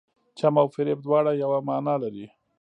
چم او فریب دواړه یوه معنی لري.